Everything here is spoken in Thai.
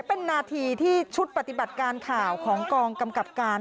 เป็นนาทีที่ชุดปฏิบัติการข่าวของกองกำกับการ